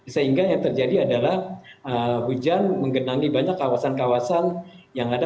sehingga yang terjadi adalah hujan menggenangi banyak kawasan kawasan yang ada